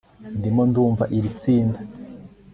Ndimo ndumva iri tsinda